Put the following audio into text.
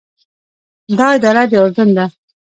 دا اداره د اردن ده.